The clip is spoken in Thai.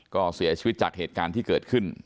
ก็เสียชีวิตจากเหตุการณ์ที่เกิดขึ้น